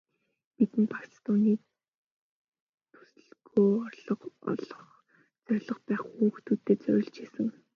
Бидэнд багц дууны төслөөсөө орлого олох зорилго байхгүй, хүүхдүүддээ зориулж хийсэн.